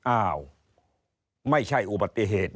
อ้าวไม่ใช่อุบัติเหตุ